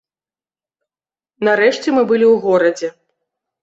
Нарэшце мы былі ў горадзе.